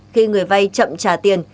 khi người vai chậm trả tiền